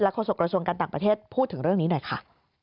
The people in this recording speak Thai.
โศกระทรวงการต่างประเทศพูดถึงเรื่องนี้หน่อยค่ะ